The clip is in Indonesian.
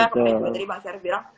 kemudian menteri pak sherif bilang